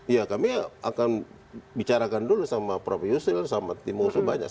ya kami akan bicarakan dulu sama prof yusril sama tim musuh banyak